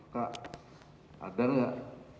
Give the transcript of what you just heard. kak ada enggak